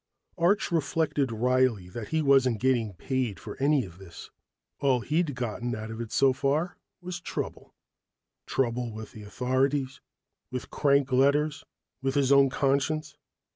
Arch reflected wryly that he wasn't getting paid for any of this. All he'd gotten out of it so far was trouble. Trouble with the authorities, with crank letters, with his own conscience.